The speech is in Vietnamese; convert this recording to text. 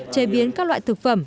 chế biến các loại thực phẩm